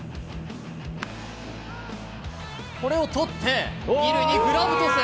これを捕って、２塁にグラブトス。